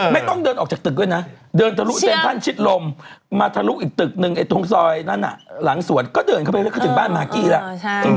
ไม่ต้องเดินออกจากตึกด้วยนะเดินทะลุเซ็นทันชิดลมมาทะลุอีกตึกหนึ่งตรงซอยนั้นหลังสวนก็เดินเข้าไปแล้วก็ถึงบ้านมากกี้แล้ว